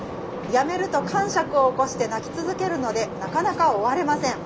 やめるとかんしゃくを起こして泣き続けるのでなかなか終われません。